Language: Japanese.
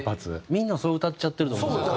みんなそう歌っちゃってると思うんですよ。